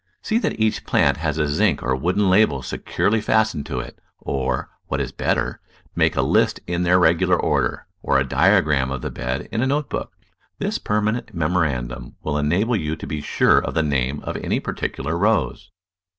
See that each plant has a zinc or wooden label securely fast ened to it, or, what is better, make a list in their regular order, or a diagram of the bed in a note book. This permanent memorandum will enable you to be sure of the name of any particular Rose.